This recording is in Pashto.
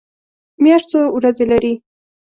میاشت څو ورځې لري؟